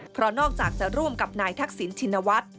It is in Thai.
เพราะนอกจากจะร่วมกับนายทักษิณชินวัฒน์